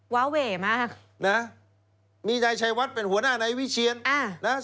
วาเว่มากนะครับมีนายชายวัดเป็นหัวหน้าในวิเชียนนะครับ